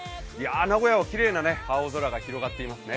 名古屋はきれいな青空が広がっていますね。